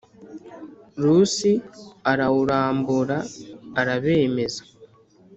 Rusi arawurambura arabemeza